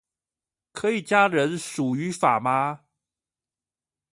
可以加人數語法嗎